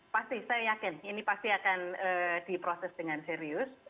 pasti saya yakin ini pasti akan diproses dengan serius